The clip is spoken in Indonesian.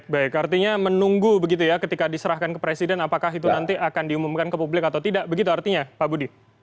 baik artinya menunggu begitu ya ketika diserahkan ke presiden apakah itu nanti akan diumumkan ke publik atau tidak begitu artinya pak budi